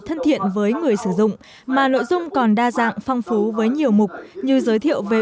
thân thiện với người sử dụng mà nội dung còn đa dạng phong phú với nhiều mục như giới thiệu về